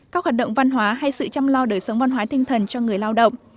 các hoạt động văn hóa hay sự chăm lo đời sống văn hóa tinh thần cho người lao động